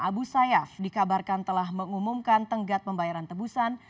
abu sayyaf dikabarkan telah mengumumkan tenggat pembayaran tebusan